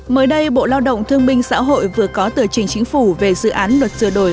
mới đây bộ lao động thương minh xã hội vừa có tờ trình chính phủ về dự án luật sửa đổi